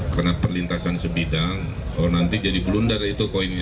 karena perlintasan sebidang kalau nanti jadi gelundar itu koinnya